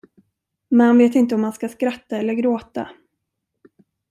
Man vet inte om man ska skratta eller gråta.